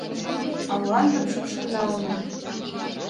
А мландым шупшын налыныт.